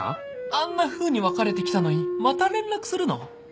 あんなふうに別れてきたのにまた連絡するの？